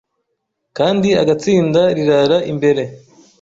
kandi agatsinda rirara imbere,